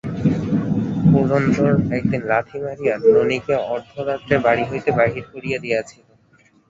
পুরন্দর একদিন লাথি মারিয়া ননিকে অর্ধরাত্রে বাড়ি হইতে বাহির করিয়া দিয়াছিল।